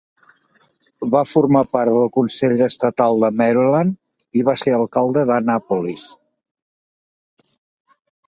Va formar part del consell estatal de Maryland i va ser alcalde d'Annapolis.